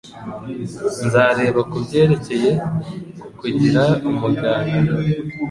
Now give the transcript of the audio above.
Nzareba kubyerekeye kukugira umuganga